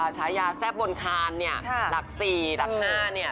ฉายาแซ่บบนคานเนี่ยหลัก๔หลัก๕เนี่ย